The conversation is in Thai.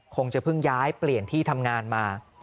คงจะเพิ่งย้ายเปลี่ยนที่ทำงานมา